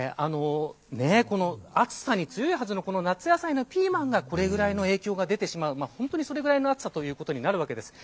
暑さに強いはずの夏野菜のピーマンに影響が出てしまう、それぐらいの暑さとなるわけです。